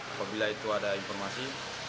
apabila itu ada informasi